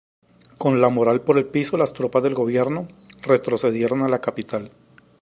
Con la moral por el piso las tropas del gobierno retrocedieron a la capital.